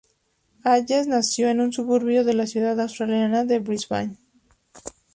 Hayes nació en un suburbio de la ciudad australiana de Brisbane.